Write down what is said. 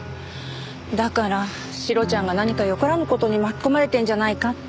だからシロちゃんが何かよからぬ事に巻き込まれてるんじゃないかって。